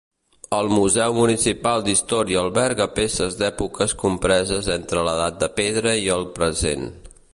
El museu municipal d'història alberga peces d'èpoques compreses entre l'edat de Pedra i el present.